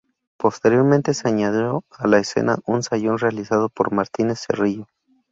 Posteriormente se añadió a la escena un sayón realizado por Martínez Cerrillo.